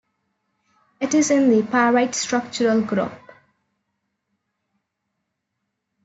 It is in the pyrite structural group.